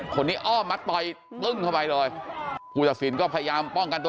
อ้อมมาต่อยตึ้งเข้าไปเลยผู้ตัดสินก็พยายามป้องกันตัว